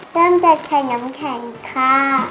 เริ่มจัดแข่งยำแข่งค่ะ